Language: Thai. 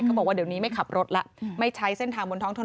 บอกว่าเดี๋ยวนี้ไม่ขับรถแล้วไม่ใช้เส้นทางบนท้องถนน